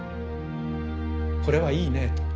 これはいいねと。